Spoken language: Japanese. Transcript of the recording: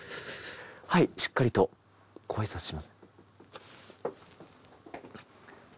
はいしっかりとごあいさつします。